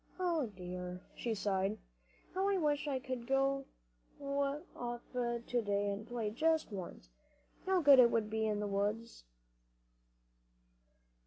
"O dear," she sighed, "how I wish I could go off to day and play just once! How good it must be in the woods!"